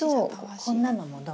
こんなのもどう？